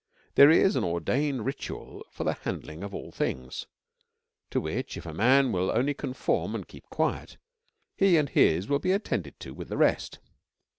There is an ordained ritual for the handling of all things, to which if a man will only conform and keep quiet, he and his will be attended to with the rest.